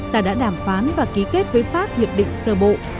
ta đã đàm phán và ký kết với pháp hiệp định sơ bộ